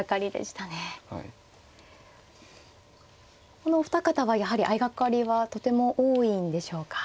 このお二方はやはり相掛かりはとても多いんでしょうか。